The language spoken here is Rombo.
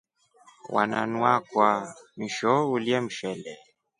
Wananu akwaa nshoo ulye mshele.